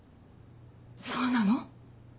そうなの？